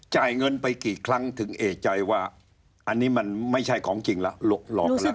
จ่ายเงินไปกี่ครั้งถึงเอกใจว่าอันนี้มันไม่ใช่ของจริงแล้วหลอกกันแล้ว